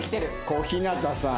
小日向さん